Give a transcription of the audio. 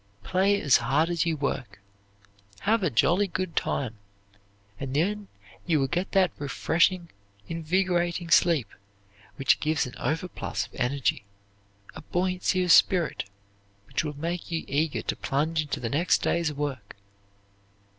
Play as hard as you work; have a jolly good time, and then you will get that refreshing, invigorating sleep which gives an overplus of energy, a buoyancy of spirit which will make you eager to plunge into the next day's work.